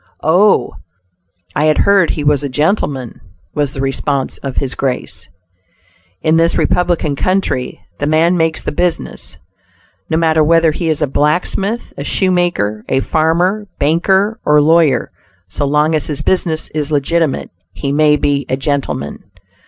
"Oh! I had heard he was a gentleman," was the response of His Grace. In this Republican country, the man makes the business. No matter whether he is a blacksmith, a shoemaker, a farmer, banker or lawyer, so long as his business is legitimate, he may be a gentleman.